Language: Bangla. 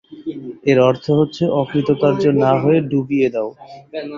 এর অর্থ হচ্ছে অকৃতকার্য না হয়ে ডুবিয়ে দাও।